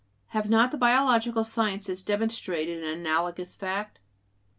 Have not the biological sciences demonstrated an analogous fact?